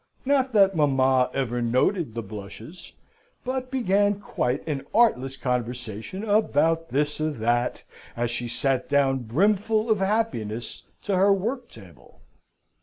Not that mamma ever noted the blushes, but began quite an artless conversation about this or that, as she sate down brimful of happiness to her worktable.